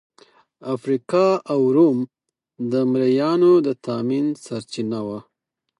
افریقا او روم د مریانو د تامین سرچینه وه.